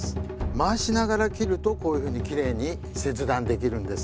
回しながら切るとこういうふうにきれいに切断できるんです。